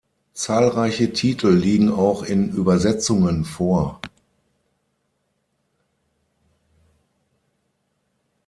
Zahlreiche Titel liegen auch in Übersetzungen vor.